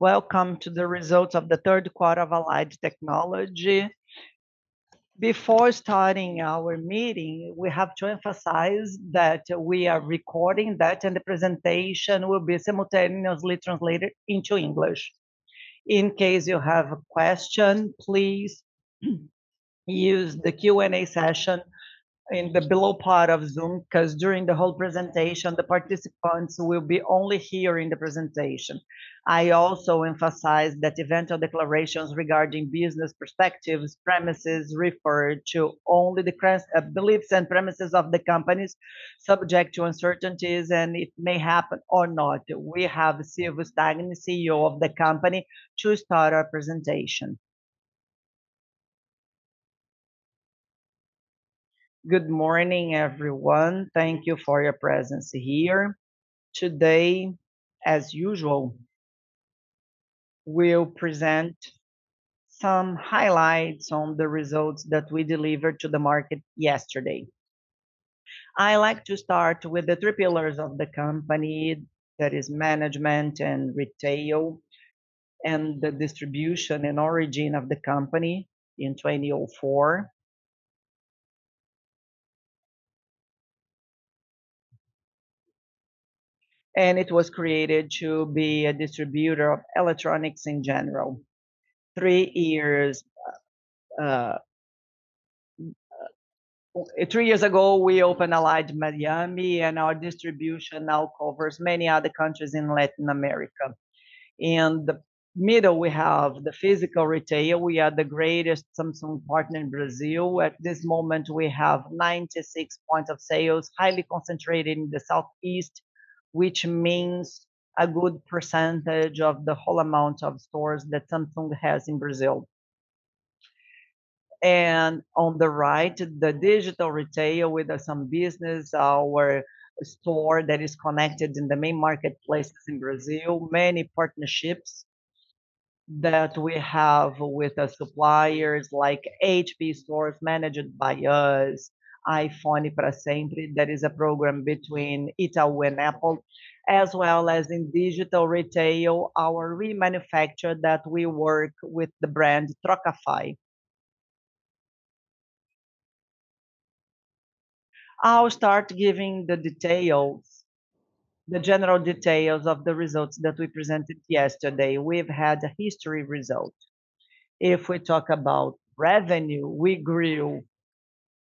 Welcome to the results of the third quarter of Allied Technology. Before starting our meeting, we have to emphasize that we are recording that, and the presentation will be simultaneously translated into English. In case you have a question, please use the Q&A session in the below part of Zoom, because during the whole presentation, the participants will be only hearing the presentation. I also emphasize that eventual declarations regarding business perspectives, premises referred to only the beliefs and premises of the companies subject to uncertainties, and it may happen or not. We have Silvio Stagni, CEO of the company, to start our presentation. Good morning, everyone. Thank you for your presence here. Today, as usual, we will present some highlights on the results that we delivered to the market yesterday. I like to start with the three pillars of the company, that is management and retail, the distribution and origin of the company in 2004. It was created to be a distributor of electronics in general. Three years ago, we opened Allied Miami, and our distribution now covers many other countries in Latin America. In the middle, we have the physical retail. We are the greatest Samsung partner in Brazil. At this moment, we have 96 points of sales, highly concentrated in the southeast, which means a good percentage of the whole amount of stores that Samsung has in Brazil. On the right, the digital retail with some business, our store that is connected in the main marketplaces in Brazil. Many partnerships that we have with the suppliers, like HP stores managed by us, iPhone pra Sempre, that is a program between Itaú and Apple. As well as in digital retail, our remanufacture that we work with the brand Trocafy. I will start giving the general details of the results that we presented yesterday. We have had a history result. If we talk about revenue, we grew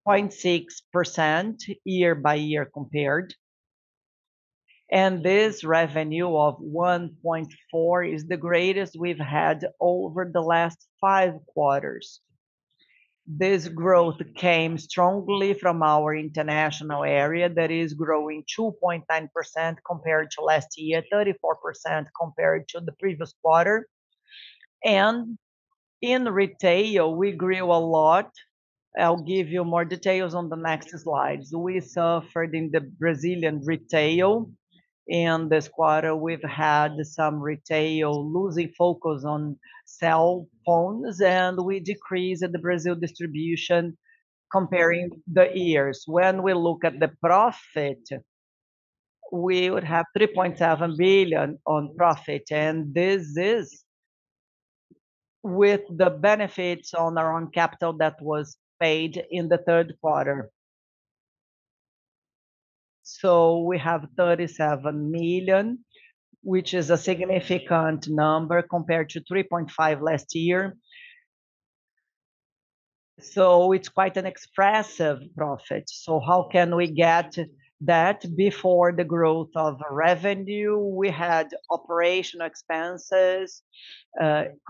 0.6% year-over-year compared, and this revenue of 1.4 billion is the greatest we have had over the last five quarters. This growth came strongly from our international area that is growing 2.9% year-over-year, 34% quarter-over-quarter. In retail, we grew a lot. I will give you more details on the next slides. We suffered in the Brazilian retail. In this quarter, we have had some retail losing focus on cell phones, and we decreased the Brazil distribution comparing the years. When we look at the profit, we would have 3.7 billion on profit, and this is with the benefits on our own capital that was paid in the third quarter. We have 37 million, which is a significant number compared to 3.5 million last year. It is quite an expressive profit. How can we get that? Before the growth of revenue, we had operational expenses.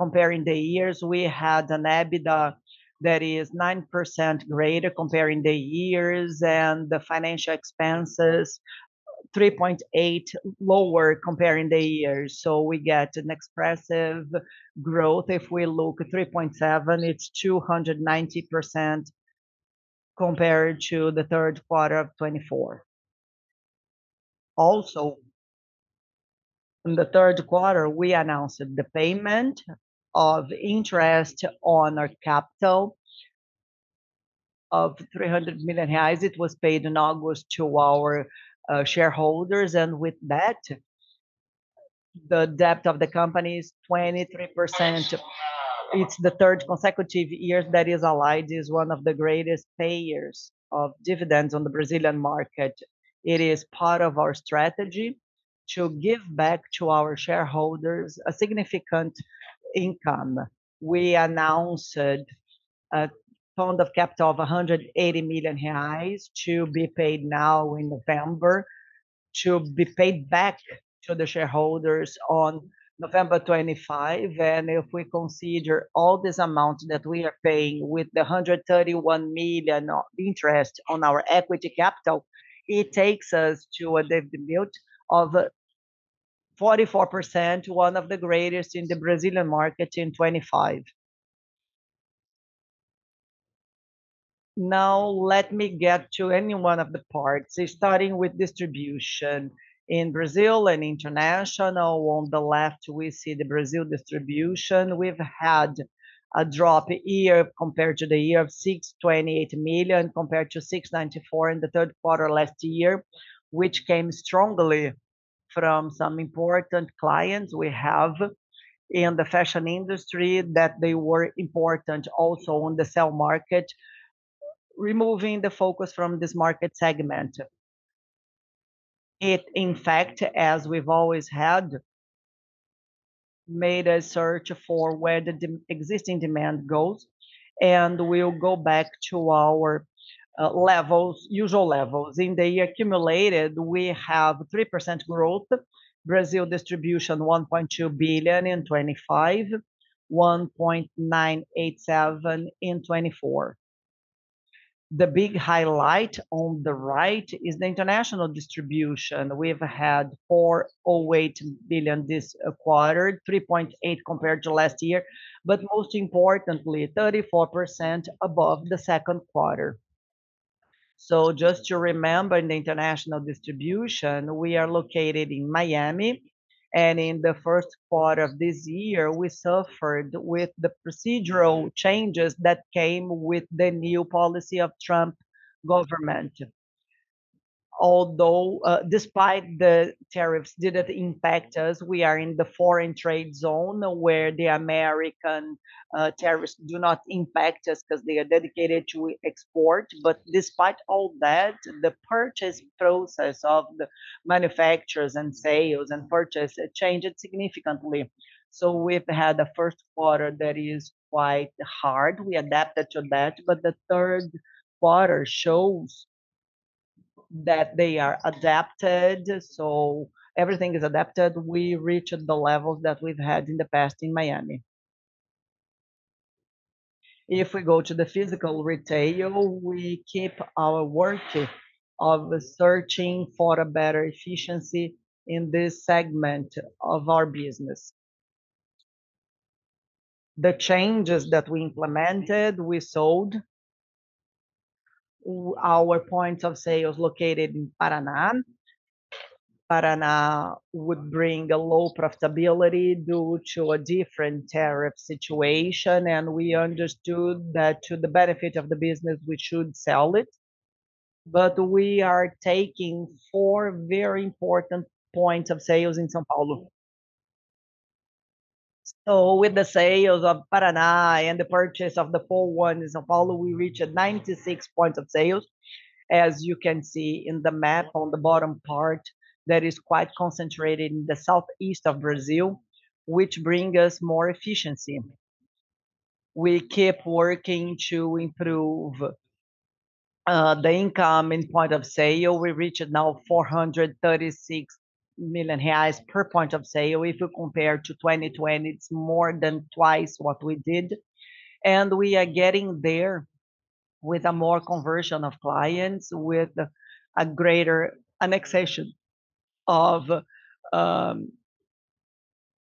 Comparing the years, we had an EBITDA that is 9% greater year-over-year, and the financial expenses, 3.8% lower year-over-year. We get an expressive growth. If we look at 3.7, it is 290% compared to the third quarter of 2024. Also, in the third quarter, we announced the payment of interest on our capital of 300 million reais. It was paid in August to our shareholders. With that, the debt of the company is 23%. It's the third consecutive year that Allied is one of the greatest payers of dividends on the Brazilian market. It is part of our strategy to give back to our shareholders a significant income. We announced a fund of capital of 180 million reais to be paid now in November, to be paid back to the shareholders on November 25. If we consider all this amount that we are paying with the 131 million of interest on our equity capital, it takes us to a dividend yield of 44%, one of the greatest in the Brazilian market in 2025. Let me get to any one of the parts, starting with distribution in Brazil and international. On the left, we see the Brazil distribution. We've had a drop year compared to the year of 628 million compared to 694 million in the third quarter last year, which came strongly from some important clients we have in the fashion industry that they were important also on the sell market, removing the focus from this market segment. It, in fact, as we've always had, made a search for where the existing demand goes, and we'll go back to our usual levels. In the accumulated, we have 3% growth. Brazil distribution, 1.2 billion in 2025, 1.987 billion in 2024. The big highlight on the right is the international distribution. We've had $408 million this quarter, 3.8% compared to last year, but most importantly, 34% above the second quarter. Just to remember, in the international distribution, we are located in Miami, and in the first quarter of this year, we suffered with the procedural changes that came with the new policy of Trump government. Although the tariffs didn't impact us, we are in the foreign trade zone where the U.S. tariffs do not impact us because they are dedicated to export. Despite all that, the purchase process of the manufacturers and sales and purchase changed significantly. We've had a first quarter that is quite hard. We adapted to that, but the third quarter shows that they are adapted, so everything is adapted. We reached the levels that we've had in the past in Miami. If we go to the physical retail, we keep our work of searching for a better efficiency in this segment of our business. The changes that we implemented, we sold our point of sales located in Paraná. Paraná would bring a low profitability due to a different tariff situation, and we understood that to the benefit of the business, we should sell it. We are taking four very important point of sales in São Paulo. With the sales of Paraná and the purchase of the four ones in São Paulo, we reached 96 point of sales. As you can see in the map on the bottom part, that is quite concentrated in the southeast of Brazil, which bring us more efficiency. We keep working to improve the income in point of sale. We reached now 436 million reais per point of sale. If you compare to 2020, it's more than twice what we did, we are getting there with a more conversion of clients with a greater annexation of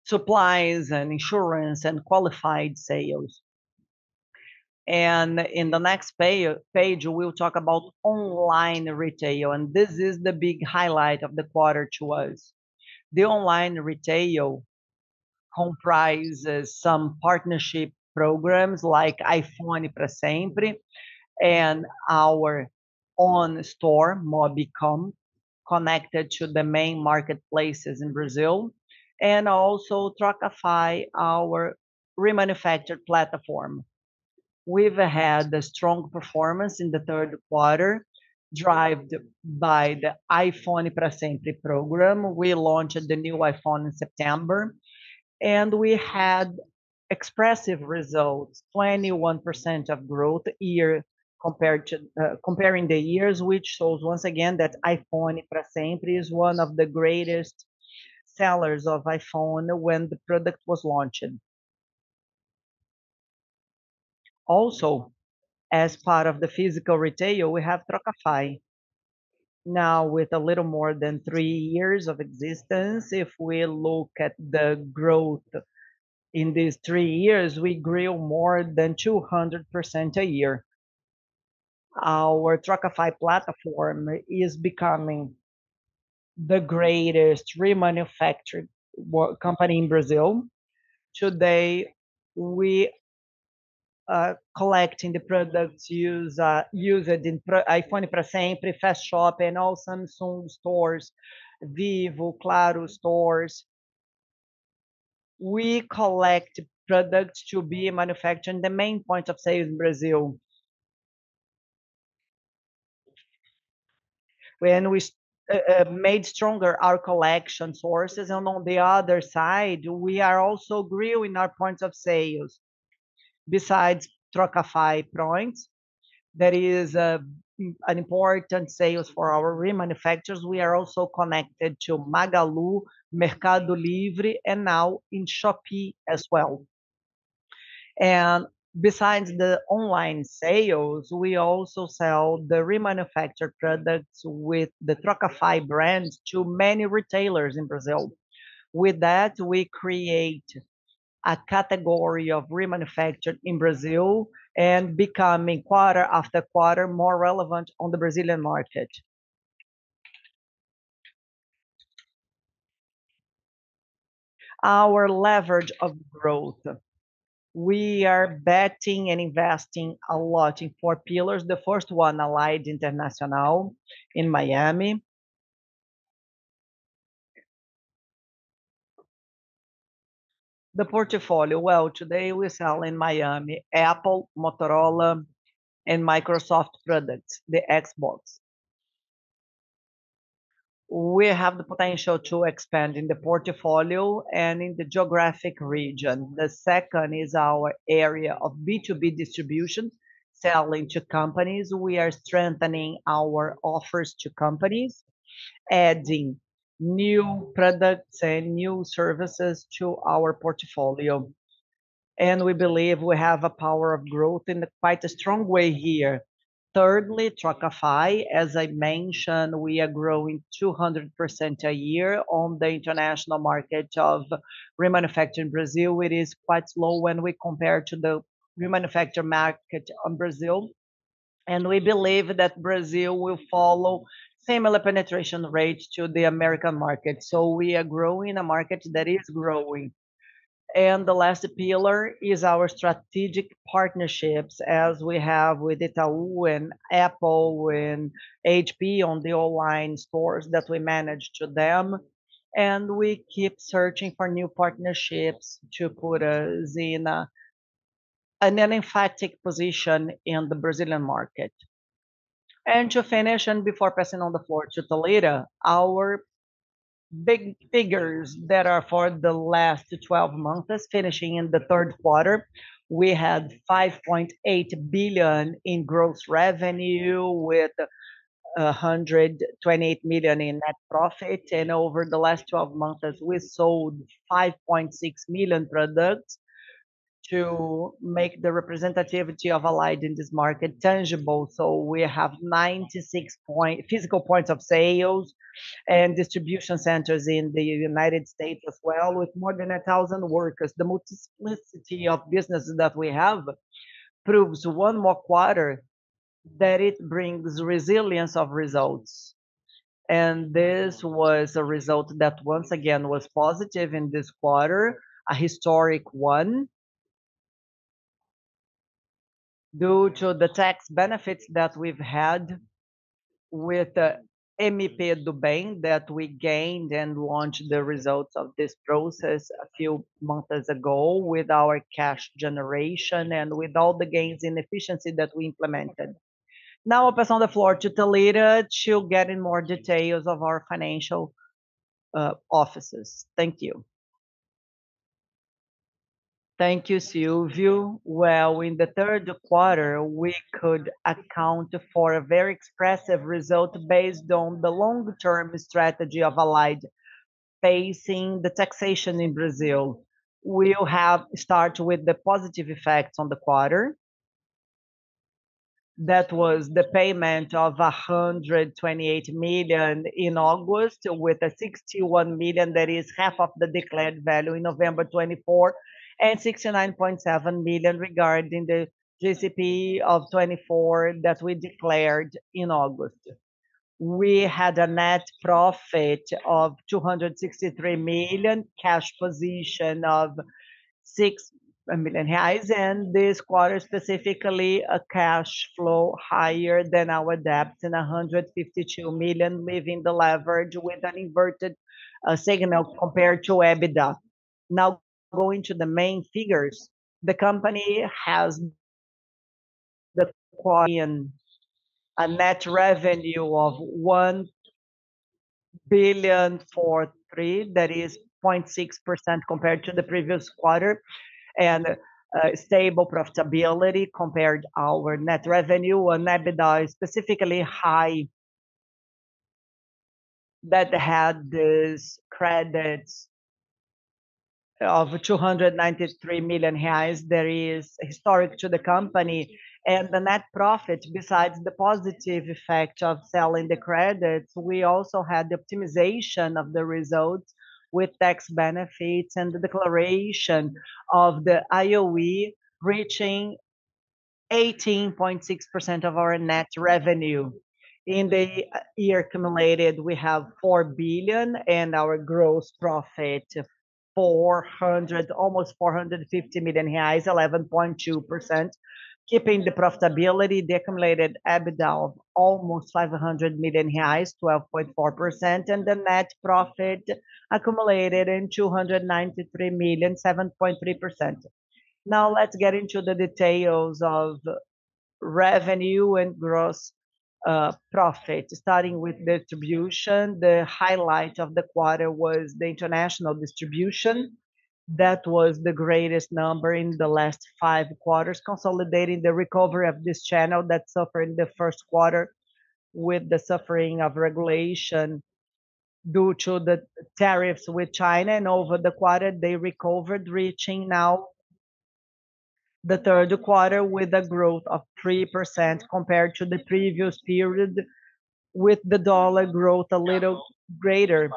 supplies and insurance and qualified sales. In the next page, we'll talk about online retail, this is the big highlight of the quarter to us. The online retail comprises some partnership programs like iPhone pra Sempre and our own store, Mobcom, connected to the main marketplaces in Brazil, also Trocafy, our remanufactured platform. We've had a strong performance in the third quarter, driven by the iPhone pra Sempre program. We launched the new iPhone in September, we had expressive results, 21% of growth comparing the years, which shows once again that iPhone pra Sempre is one of the greatest sellers of iPhone when the product was launching. Also, as part of the physical retail, we have Trocafy. Now with a little more than three years of existence, if we look at the growth in these three years, we grew more than 200% a year. Our Trocafy platform is becoming the greatest remanufactured company in Brazil. Today, we are collecting the products used in iPhone pra Sempre, Fast Shop, and all Samsung stores, Vivo, Claro stores. We collect products to be remanufactured in the main point of sale in Brazil. When we made stronger our collection sources and on the other side, we are also growing our points of sale. Besides Trocafy points, that is an important sales for our remanufacturers, we are also connected to Magalu, Mercado Libre, and now in Shopee as well. Besides the online sales, we also sell the remanufactured products with the Trocafy brand to many retailers in Brazil. With that, we create a category of remanufactured in Brazil and becoming quarter after quarter, more relevant on the Brazilian market. Our leverage of growth. We are betting and investing a lot in four pillars. The first one, Allied International in Miami. The portfolio. Well, today we sell in Miami, Apple, Motorola, and Microsoft products, the Xbox. We have the potential to expand in the portfolio and in the geographic region. The second is our area of B2B distribution, selling to companies. We are strengthening our offers to companies, adding new products and new services to our portfolio, we believe we have a power of growth in quite a strong way here. Thirdly, Trocafy. As I mentioned, we are growing 200% a year on the international market of remanufacture in Brazil. It is quite low when we compare to the remanufacture market in Brazil, we believe that Brazil will follow similar penetration rate to the U.S. market. We are growing a market that is growing. The last pillar is our strategic partnerships, as we have with Itaú and Apple and HP on the online stores that we manage to them. We keep searching for new partnerships to put us in an emphatic position in the Brazilian market. To finish, before passing on the floor to Thalita, our big figures that are for the last 12 months, as finishing in the third quarter, we had 5.8 billion in gross revenue with 128 million in net profit. Over the last 12 months, as we sold 5.6 million products to make the representativity of Allied in this market tangible. We have 96 physical points of sales and distribution centers in the U.S. as well, with more than 1,000 workers. The multiplicity of businesses that we have proves one more quarter that it brings resilience of results. This was a result that once again, was positive in this quarter, a historic one. Due to the tax benefits that we've had with the Lei do Bem that we gained and launched the results of this process a few months ago with our cash generation and with all the gains in efficiency that we implemented. I pass on the floor to Thalita. She'll get in more details of our financial offices. Thank you. Thank you, Silvio. Well, in the third quarter, we could account for a very expressive result based on the long-term strategy of Allied. Facing the taxation in Brazil, we'll have start with the positive effects on the quarter. That was the payment of 128 million in August with 61 million that is half of the declared value in November 2024, and 69.7 million regarding the JCP of 2024 that we declared in August. We had a net profit of 263 million, cash position of 6 million reais, and this quarter specifically, a cash flow higher than our debt in 152 million, leaving the leverage with an inverted signal compared to EBITDA. Going to the main figures, the company has a net revenue of 1.43 billion, that is 0.6% compared to the previous quarter, and stable profitability compared our net revenue and EBITDA is specifically high. That had this credits of 293 million reais that is historic to the company. The net profit, besides the positive effect of selling the credits, we also had the optimization of the results with tax benefits and the declaration of the JCP reaching 18.6% of our net revenue. In the year accumulated, we have 4 billion and our gross profit almost 450 million reais, 11.2%, keeping the profitability, the accumulated EBITDA of almost 500 million reais, 12.4%, and the net profit accumulated in 293 million, 7.3%. Let's get into the details of revenue and gross profit. Starting with distribution, the highlight of the quarter was the international distribution. That was the greatest number in the last five quarters, consolidating the recovery of this channel that suffered in the first quarter with the suffering of regulation due to the tariffs with China and over the quarter, they recovered, reaching now the third quarter with a growth of 3% compared to the previous period with the dollar growth a little greater.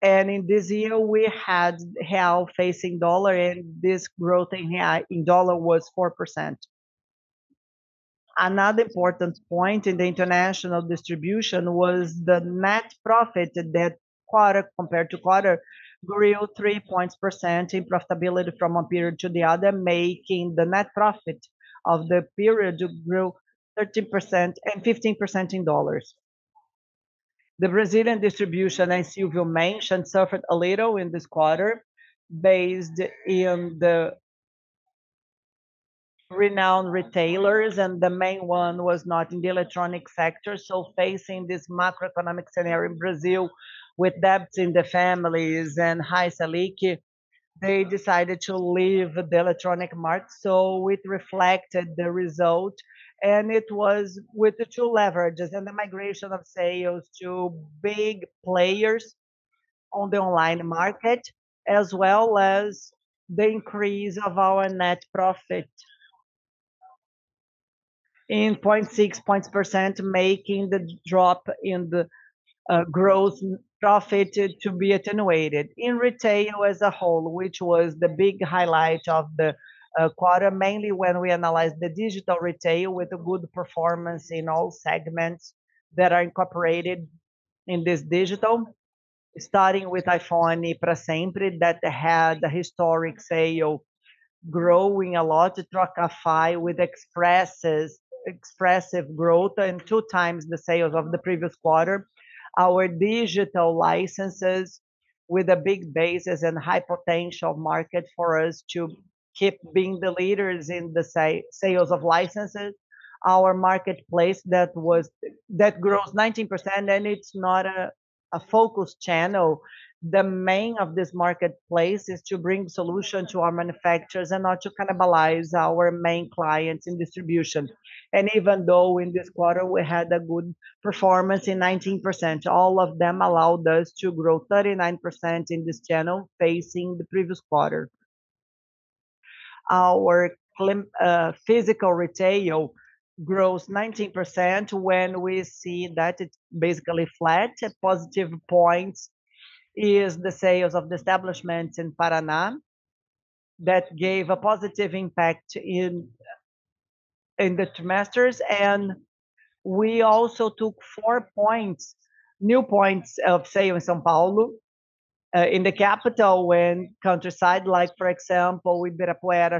In this year, we had hell facing dollar, and this growth in dollar was 4%. Another important point in the international distribution was the net profit that quarter compared to quarter grew 3 points percent in profitability from one period to the other, making the net profit of the period to grow 13% and 15% in dollars. The Brazilian distribution, as Silvio mentioned, suffered a little in this quarter based on the renowned retailers, and the main one was not in the electronic sector. Facing this macroeconomic scenario in Brazil with debt in the families and high Selic, they decided to leave the electronic market. It reflected the result, and it was with the two leverages and the migration of sales to big players on the online market, as well as the increase of our net profit in 0.6 percentage points, making the drop in the gross profit to be attenuated. In retail as a whole, which was the big highlight of the quarter, mainly when we analyzed the digital retail with a good performance in all segments that are incorporated in this digital, starting with iPhone pra Sempre, that had a historic sale growing a lot, Trocafy with expressive growth and two times the sales of the previous quarter. Our digital licenses with a big basis and high potential market for us to keep being the leaders in the sales of licenses. Our marketplace that grows 19%, it's not a focus channel. The main of this marketplace is to bring solution to our manufacturers and not to cannibalize our main clients in distribution. Even though in this quarter we had a good performance in 19%, all of them allowed us to grow 39% in this channel facing the previous quarter. Our physical retail grows 19% when we see that it's basically flat. A positive point is the sales of the establishments in Paraná that gave a positive impact in the trimester. We also took four new points of sale in São Paulo, in the capital and countryside, like for example, in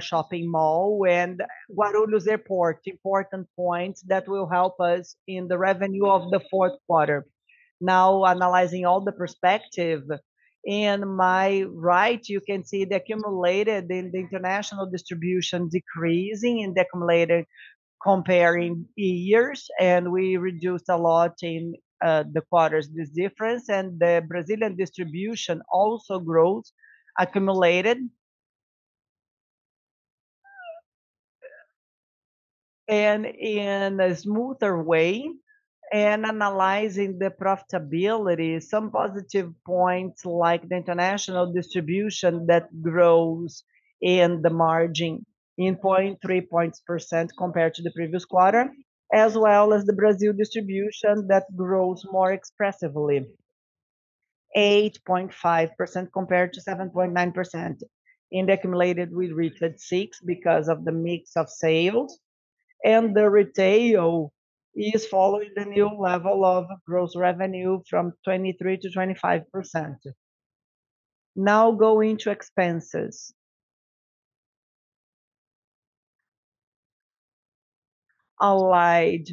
Shopping Ibirapuera and Guarulhos Airport. Important points that will help us in the revenue of the fourth quarter. Analyzing all the perspective. In my right, you can see the accumulated in the international distribution decreasing in the accumulated comparing years, we reduced a lot in the quarters this difference. The Brazilian distribution also grows accumulated. In a smoother way and analyzing the profitability, some positive points like the international distribution that grows in the margin in 0.3 percentage points compared to the previous quarter, as well as the Brazilian distribution that grows more expressively, 8.5% compared to 7.9%. In the accumulated, we reached 6% because of the mix of sales, and the retail is following the new level of gross revenue from 23%-25%. Going to expenses. Allied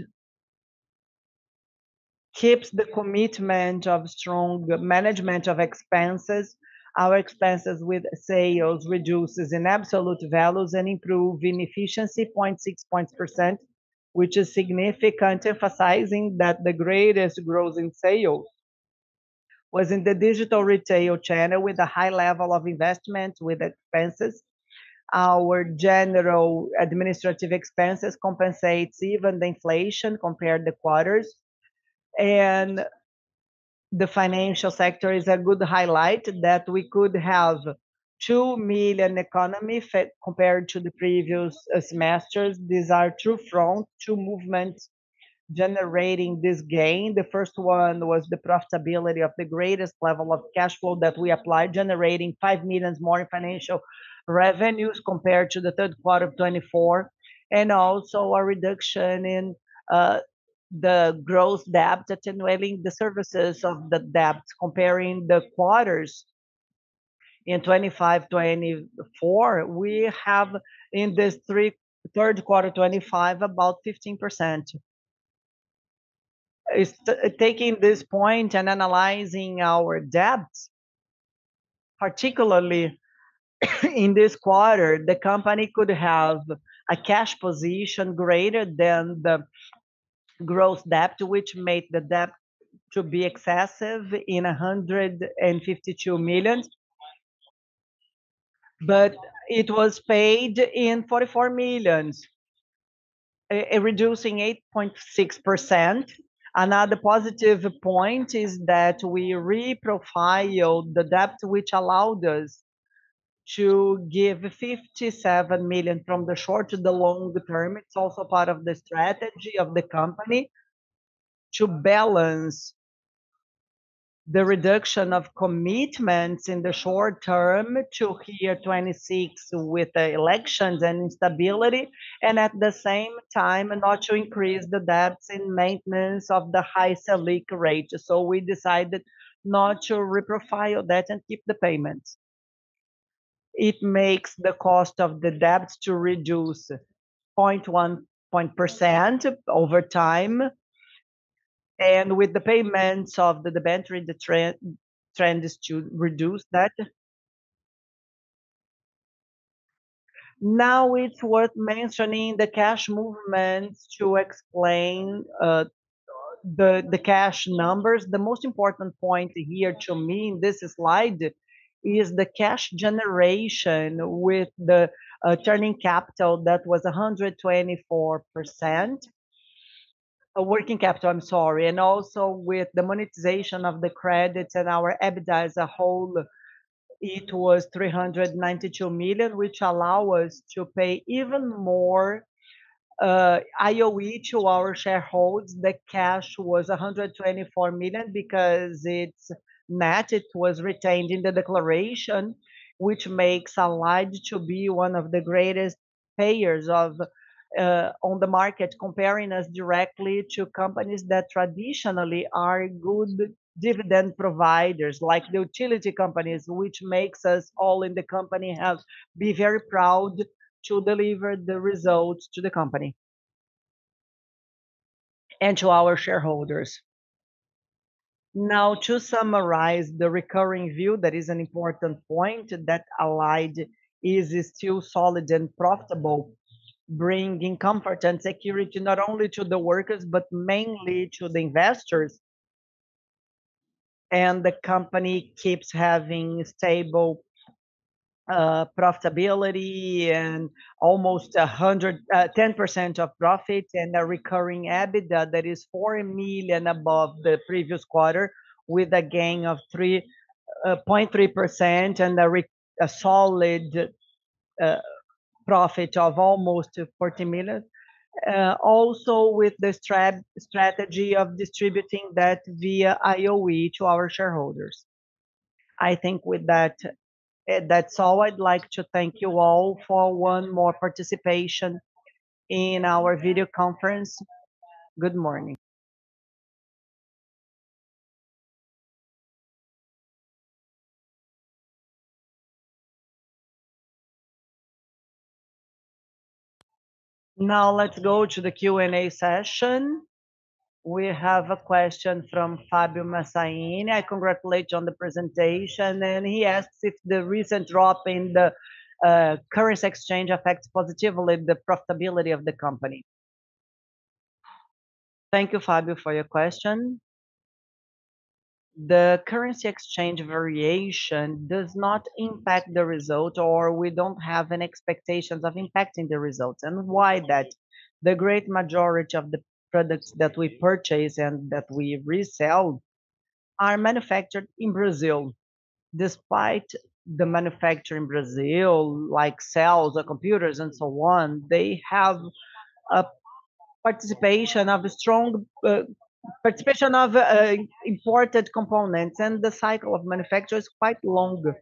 keeps the commitment of strong management of expenses. Our expenses with sales reduces in absolute values and improves in efficiency 0.6 percentage points, which is significant, emphasizing that the greatest growth in sales was in the digital retail channel with a high level of investment with expenses. Our general administrative expenses compensates even the inflation compared to quarters. The financial sector is a good highlight that we could have 2 million economy compared to the previous semesters. These are two fronts, two movements generating this gain. The first one was the profitability of the greatest level of cash flow that we applied, generating 5 million more in financial revenues compared to the third quarter of 2024. Also a reduction in the gross debt, attenuating the services of the debt, comparing the quarters in 2025, 2024. We have in this third quarter 2025, about 15%. Taking this point and analyzing our debts, particularly in this quarter, the company could have a cash position greater than the gross debt, which made the debt to be excessive in 152 million. It was paid in 44 million, reducing 8.6%. Another positive point is that we reprofiled the debt which allowed us to give 57 million from the short to the long-term. It is also part of the strategy of the company to balance the reduction of commitments in the short term to year 2026 with the elections and instability, and at the same time, not to increase the debts and maintenance of the high Selic rate. We decided not to reprofile debt and keep the payments. It makes the cost of the debt to reduce 0.1% over time, and with the payments of the debenture, the trend is to reduce that. It is worth mentioning the cash movements to explain the cash numbers. The most important point here to me in this slide is the cash generation with the working capital that was 124%. Also with the monetization of the credits and our EBITDA as a whole, it was 392 million, which allow us to pay even more JCP to our shareholders. The cash was 124 million because it is net, it was retained in the declaration, which makes Allied to be one of the greatest payers on the market, comparing us directly to companies that traditionally are good dividend providers, like the utility companies, which makes us all in the company be very proud to deliver the results to the company and to our shareholders. To summarize the recurring view, that is an important point, that Allied is still solid and profitable, bringing comfort and security not only to the workers, but mainly to the investors. The company keeps having stable profitability and almost 10% of profit and a recurring EBITDA that is 4 million above the previous quarter with a gain of 3.3% and a solid profit of almost 40 million. Also with the strategy of distributing that via JCP to our shareholders. I think with that is all. I would like to thank you all for one more participation in our video conference. Good morning. Let us go to the Q&A session. We have a question from Fabio Massain. I congratulate you on the presentation, and he asks if the recent drop in the currency exchange affects positively the profitability of the company. Thank you, Fabio, for your question. The currency exchange variation does not impact the result, or we do not have any expectations of impacting the results. Why that? The great majority of the products that we purchase and that we resell are manufactured in Brazil. Despite the manufacture in Brazil, like cells or computers and so on, they have a participation of imported components, and the cycle of manufacture is quite long.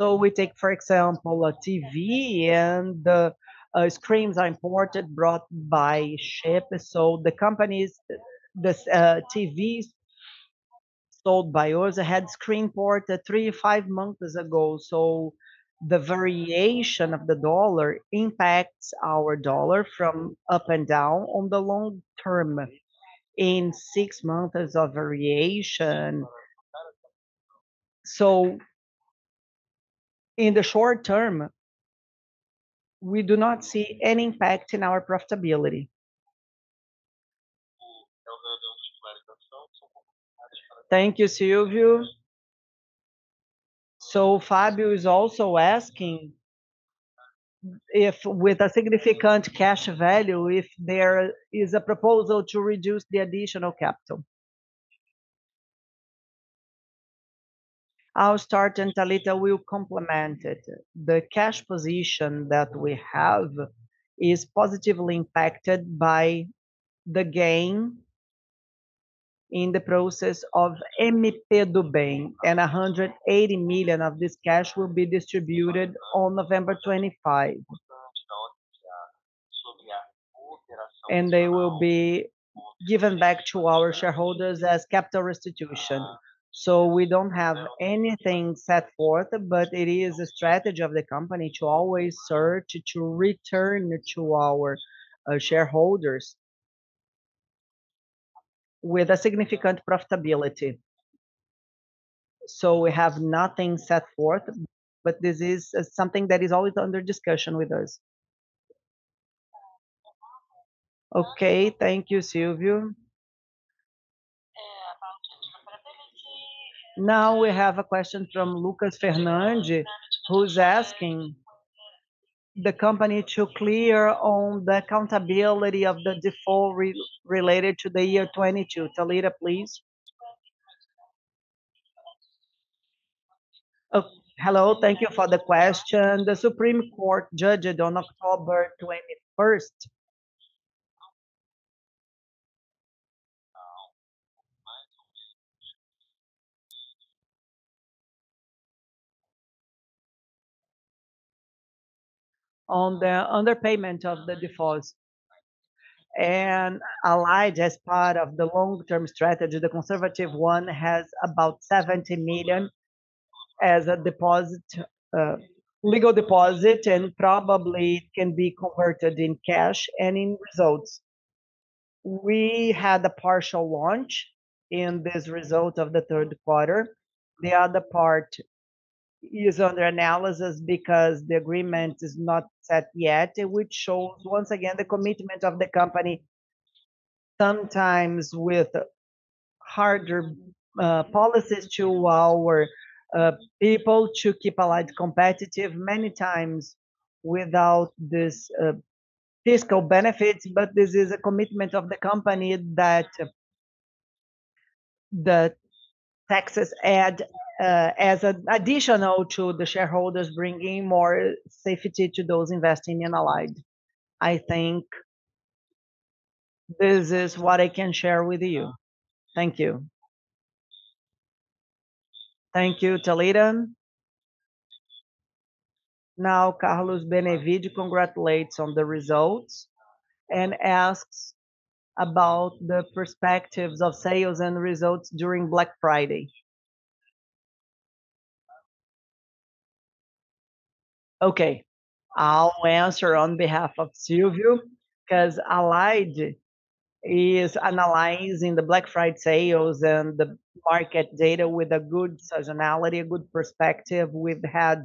We take, for example, a TV and the screens are imported, brought by ship. The TVs sold by Hoz had screen port three to five months ago. The variation of the U.S. dollar impacts our U.S. dollar from up and down on the long term, in six months of variation. In the short term, we do not see any impact in our profitability. Thank you, Silvio. Fabio is also asking if with a significant cash value, if there is a proposal to reduce the additional capital. I'll start and Thalita will complement it. The cash position that we have is positively impacted by the gain in the process of Lei do Bem, and 180 million of this cash will be distributed on November 25. They will be given back to our shareholders as capital restitution. We don't have anything set forth, but it is a strategy of the company to always search to return to our shareholders with a significant profitability. We have nothing set forth, but this is something that is always under discussion with us. Okay. Thank you, Silvio. We have a question from Lucas Fernandes, who's asking the company to clear on the accountability of the DIFAL related to the year 2022. Thalita, please. Hello. Thank you for the question. The Supreme Federal Court judged on October 21st, on the underpayment of the DIFAL. Allied, as part of the long-term strategy, the conservative one has about 70 million as a legal deposit, and probably it can be converted in cash and in results. We had a partial launch in this result of the third quarter. The other part is under analysis because the agreement is not set yet, which shows once again the commitment of the company, sometimes with harder policies to our people to keep Allied competitive, many times without these fiscal benefits. This is a commitment of the company that taxes add as additional to the shareholders, bringing more safety to those investing in Allied. I think this is what I can share with you. Thank you. Thank you, Thalita. Carlos Benevides congratulates on the results and asks about the perspectives of sales and results during Black Friday. Okay. I'll answer on behalf of Silvio, because Allied is analyzing the Black Friday sales and the market data with a good seasonality, a good perspective. We've had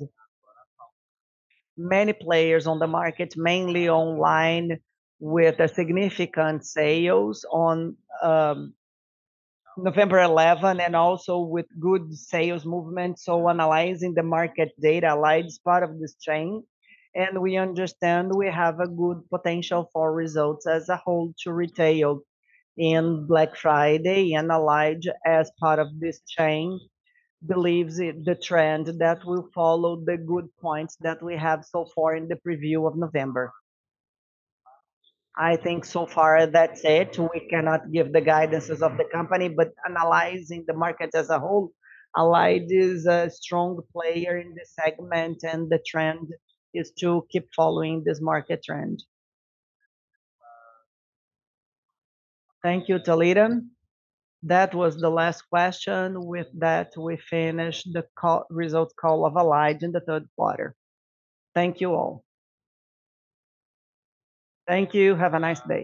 many players on the market, mainly online, with significant sales on November 11, and also with good sales movement. Analyzing the market data, Allied is part of this chain, and we understand we have a good potential for results as a whole to retail in Black Friday. Allied, as part of this chain, believes the trend that will follow the good points that we have so far in the preview of November. I think so far that's it. We cannot give the guidances of the company. Analyzing the market as a whole, Allied is a strong player in this segment, and the trend is to keep following this market trend. Thank you, Thalita. That was the last question. With that, we finish the results call of Allied in the third quarter. Thank you all. Thank you. Have a nice day.